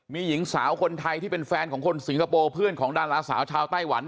มีหญิงสาวคนไทยที่เป็นแฟนของคนสิงคโปร์เพื่อนของดาราสาวชาวไต้หวัน